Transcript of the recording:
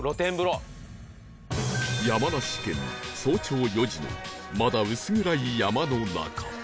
山梨県早朝４時のまだ薄暗い山の中